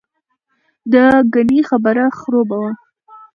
دګنې خبره خروبه وه.